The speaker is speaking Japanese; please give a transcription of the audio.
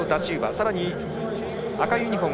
さらに赤いユニフォーム